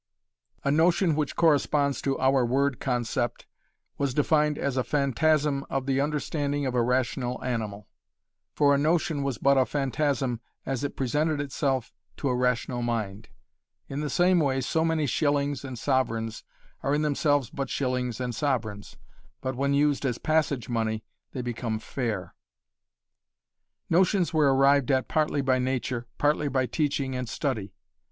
A notion which corresponds to our word concept was defined as a phantasm of the understanding of a rational animal. For a notion was but a phantasm as it presented itself to a rational mind. In the same way so many shillings and sovereigns are in themselves but shillings and sovereigns, but when used as passage money they become fare. Notions were arrived at partly by nature, partly by teaching and study.